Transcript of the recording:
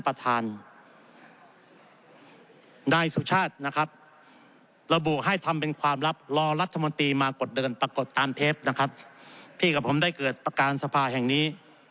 พี่กับผมได้เกิดประการสภาแห่งนี้